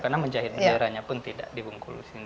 karena menjahit banderanya pun tidak di bengkulu